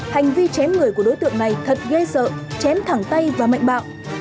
hành vi chém người của đối tượng này thật gây sợ chém thẳng tay và mạnh bạo